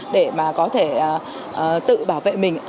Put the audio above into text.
để mà có thể tự bảo vệ mình